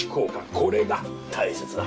これが大切だ。